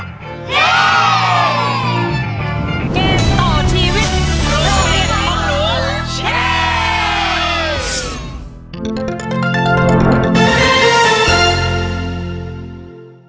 สวัสดีครับ